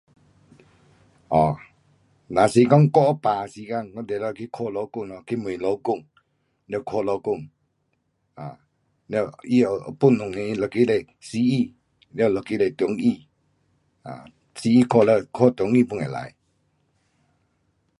哦，若是讲我有病时间，我定得去看医生咯，去问医生，了看医生。啊，它有分两个，一个是西医，了一个是中医。啊，西医看了看中医 pun 可以。